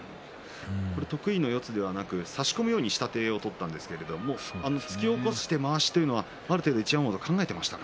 得意の四つではなく差し込むように下手を取ったんですが突き起こしてまわしというのは一山本、考えていましたか。